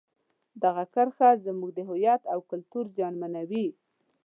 دغه کرښه زموږ د هویت او کلتور زیانمنوي.